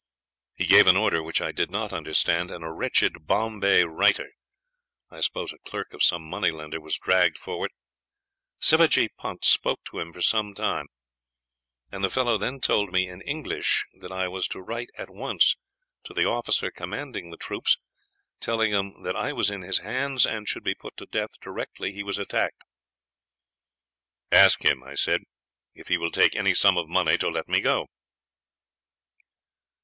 He gave an order which I did not understand, and a wretched Bombay writer, I suppose a clerk of some moneylender, was dragged forward. Sivajee Punt spoke to him for some time, and the fellow then told me in English that I was to write at once to the officer commanding the troops, telling him that I was in his hands, and should be put to death directly he was attacked. "'Ask him,' I said, 'if he will take any sum of money to let me go?'